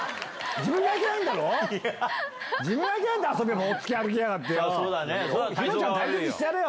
自分がいけないんだろ、ほっつき歩きやがってよ。